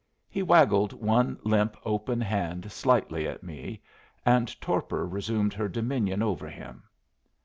He waggled one limp, open hand slightly at me, and torpor resumed her dominion over him.